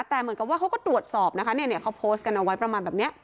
แต่เหมือนกับว่าเขาก็ตรวจสอบนะคะเนี่ยเขาโพสต์กันเอาไว้ประมาณแบบนี้